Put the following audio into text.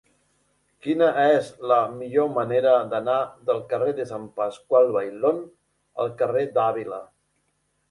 Quina és la millor manera d'anar del carrer de Sant Pasqual Bailón al carrer d'Àvila?